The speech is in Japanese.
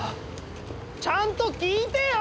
ちゃんと聞いてよ！